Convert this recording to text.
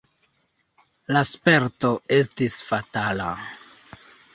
La sperto estis fatala.